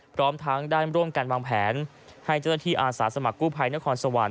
พร้อมทั้งได้ร่วมกันวางแผนให้เจ้าหน้าที่อาสาสมัครกู้ภัยนครสวรรค